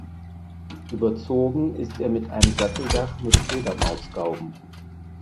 Überzogen ist er mit einem Satteldach mit Fledermausgauben.